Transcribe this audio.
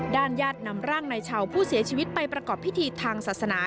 ญาตินำร่างนายชาวผู้เสียชีวิตไปประกอบพิธีทางศาสนา